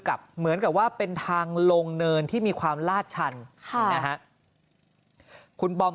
เหมือนกับว่าเป็นทางลงเนินที่มีความลาดชันคุณบอม